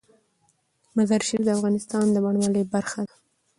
مزارشریف د افغانستان د بڼوالۍ برخه ده.